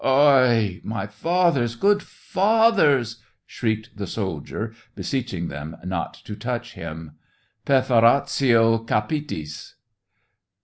" 0 oi, my fathers, good fathers !" shrieked the soldier, beseeching them not to touch him. " Pei'foratio capitis.